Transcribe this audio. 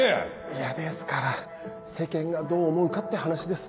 いやですから世間がどう思うかって話です。